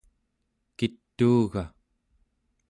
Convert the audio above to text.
kituuga?